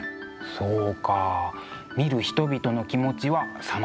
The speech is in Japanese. そうか見る人々の気持ちはさまざまですものね。